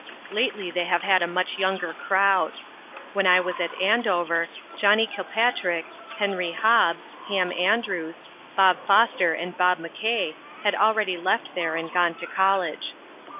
Lately they have had a much younger crowd. When I was at Andover, Johnny Kilpatrick, Henry Hobbs, Ham Andrews, Bob Foster and Bob McKay had already left there and gone to college.